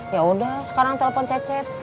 yaudah sekarang telepon cecep